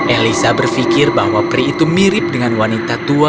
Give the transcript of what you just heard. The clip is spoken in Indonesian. elisa berpikir bahwa pria itu mirip dengan wanita tua